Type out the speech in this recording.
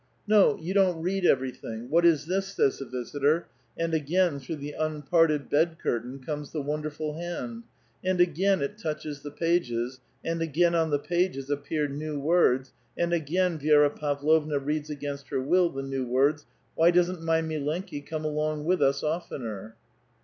"No, you don't read everything. What is this?" says the visitor, and again through the unparted bed curtain comes the wonderful hand ; and again it touches the pages, and again on the pages appear new words, and again Vi^ra Pavlovna reads against her will the new words, "Why doesn't m}' milenki come along with us oftener?